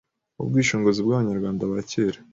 ubwishongozi bwa abanyarwanda bakera